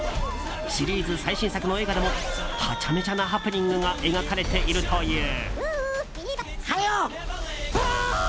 シリーズ最新作の映画でもハチャメチャなハプニングが描かれているという。